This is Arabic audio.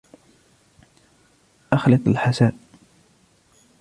اخلط الحساء.